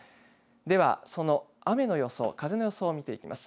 では、その雨の予想風の予想を見ていきます。